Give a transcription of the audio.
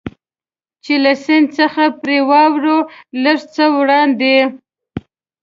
چې له سیند څخه پرې واوړو، لږ څه وړاندې.